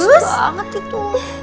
bagus banget itu